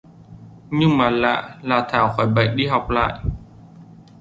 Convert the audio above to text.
Nhưng mà lạ là thảo khỏi bệnh đi học lại